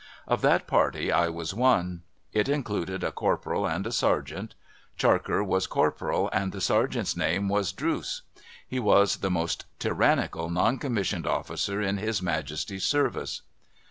Of that party, I was one. It included a corporal and a sergeant. Charker was corporal, and the sergeant's name w^as Drooce. He was the most tyrannical non commissioned officer in His Majesty's service.